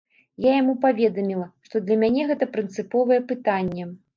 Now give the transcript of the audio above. Я яму паведаміла, што для мяне гэта прынцыповае пытанне.